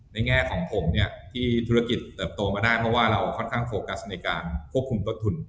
แง่ของผมเนี่ยที่ธุรกิจเติบโตมาได้เพราะว่าเราค่อนข้างโฟกัสในการควบคุมต้นทุน